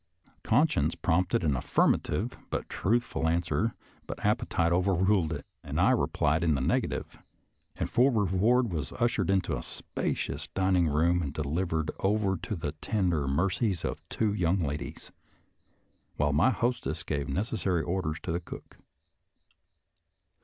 Con science prompted an affirmative and truthful answer, but appetite overruled it, and I replied in the negative, and for reward was ushered into a spacious dining room and delivered over to the tender mercies of two young ladies, while my hostess gave necessary orders to the cook.